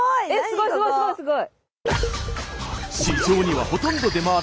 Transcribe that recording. すごいすごいすごいすごい！